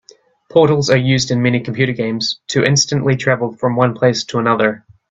Portals are used in many computer games to instantly travel from one place to another.